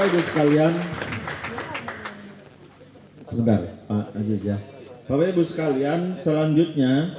bapak ibu sekalian selanjutnya